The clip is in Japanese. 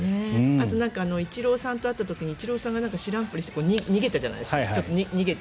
あとイチローさんさんと会った時イチローさんが知らんぷりして逃げたじゃないですか。